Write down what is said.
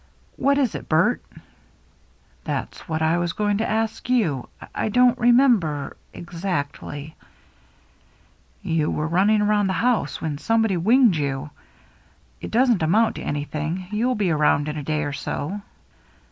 "What is it, Bert?" "That's what I was going to ask you. I don't remember — exactly —"" You were running around the house when somebody winged you. It doesn't amount to anything — you'll be around in a day or so."